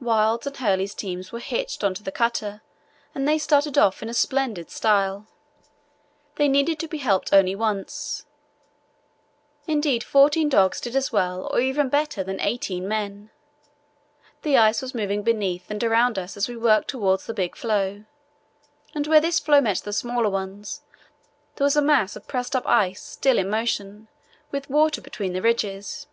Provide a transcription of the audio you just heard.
Wild's and Hurley's teams were hitched on to the cutter and they started off in splendid style. They needed to be helped only once; indeed fourteen dogs did as well or even better than eighteen men. The ice was moving beneath and around us as we worked towards the big floe, and where this floe met the smaller ones there was a mass of pressed up ice, still in motion, with water between the ridges.